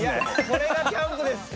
これがキャンプです。